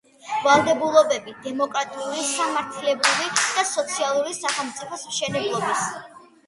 ვალდებულებები, დემოკრატიული, სამართლებრივი და სოციალური სახელმწიფოს მშენებლობის